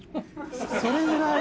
それぐらい。